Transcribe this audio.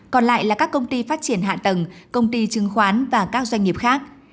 còn lại là các công ty phát triển hạ tầng công ty chứng khoán và các doanh nghiệp khác